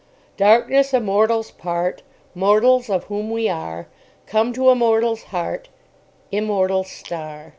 Darkness a mortal's part, Mortals of whom we are: Come to a mortal's heart, Immortal star.